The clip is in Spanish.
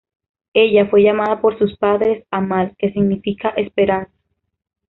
Ella fue llamada por sus padres "Amal", que significa "Esperanza".